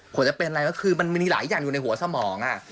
ผลจะเป็นอะไรก็คือมันมีหลายอย่างอยู่ในหัวสมอง